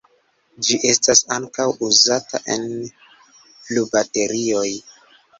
Ĝi estas ankaŭ uzata en flubaterioj.